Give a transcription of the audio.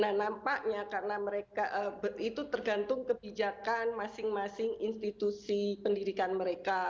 nah nampaknya karena mereka itu tergantung kebijakan masing masing institusi pendidikan mereka